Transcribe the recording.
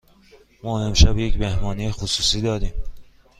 ما امشب یک مهمانی خصوصی داریم.